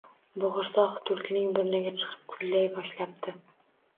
Bo’g’irsoq tulkining burniga chiqib kuylay boshlabdi: